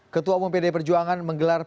ketua umum pdi perjuangan menggelar